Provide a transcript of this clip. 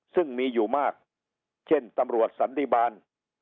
ซึ่งมีอยู่มากเช่นตำรวจสันติบาล